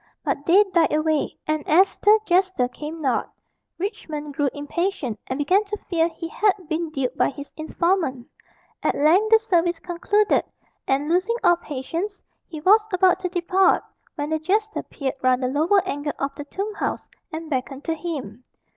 But they died away; and as the jester came not, Richmond grew impatient, and began to fear he had been duped by his informant. At length the service concluded, and, losing all patience, he was about to depart, when the jester peered round the lower angle of the tomb house, and beckoned to him.